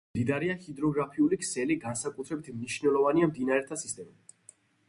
ინგლისი მდიდარია ჰიდროგრაფიული ქსელი, განსაკუთრებით მნიშვნელოვანია მდინარეთა სისტემა.